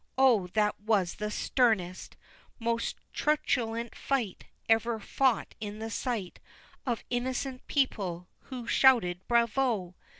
Oh, that was the sternest, Most truculent fight Ever fought in the sight Of innocent people, who shouted "Bravo!"